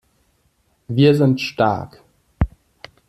Wir sind stark.